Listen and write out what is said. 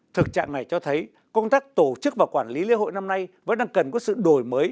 thực trạng này cho thấy công tác tổ chức và quản lý lễ hội năm nay vẫn đang cần có sự đổi mới